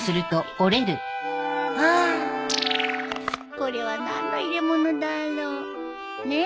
これは何の入れ物だろう。ねえ？